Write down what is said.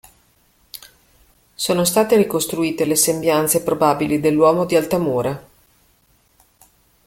Sono state ricostruite le sembianze probabili dell'uomo di Altamura.